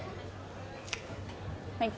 はい。